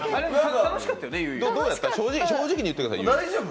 正直に言ってください。